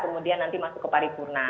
kemudian nanti masuk ke paripurna